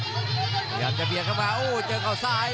พยายามจะเบียดเข้ามาโอ้เจอเขาซ้าย